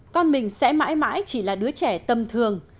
con mình sẽ mãi mãi chỉ là đứa trẻ tâm thường